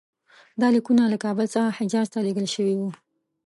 دا لیکونه له کابل څخه حجاز ته لېږل شوي وو.